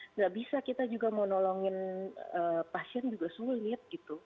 tidak bisa kita juga mau nolongin pasien juga sulit